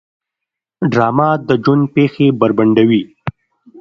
ډرامه د ژوند پېښې بربنډوي